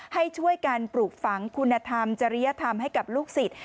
ให้ช่วยกันปลูกฝังคุณธรรมจริยธรรมให้กับลูกศิษย์